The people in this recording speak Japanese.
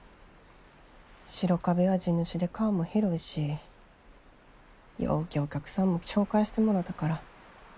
白壁は地主で顔も広いしようけお客さんも紹介してもろたから。